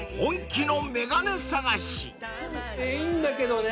いいんだけどね。